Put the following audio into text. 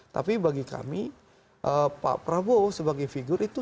tapi bagi kami pak prabowo sebagai figur itu